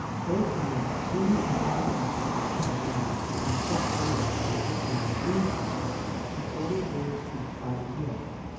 They claim that any and all faculties of the mind may be "set going," or working on any problem, if ordered thereto by the Will.